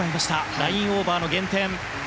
ラインオーバーの減点。